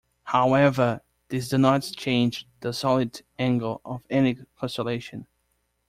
However, this does not change the solid angle of any constellation.